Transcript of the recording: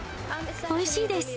おいしいです。